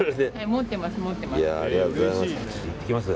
持ってます、持ってます。